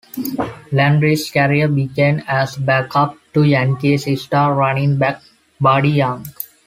Landry's career began as a back-up to Yankees star running back Buddy Young.